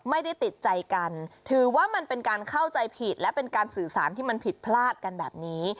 ไม่ได้ติดใจกันถือว่ามันเป็นการเข้าใจผิดและเป็นการสื่อสารที่มันผิดพลาดกันแบบนี้